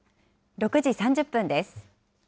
６時３０分です。